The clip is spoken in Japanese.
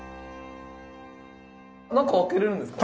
中開けれるんですか？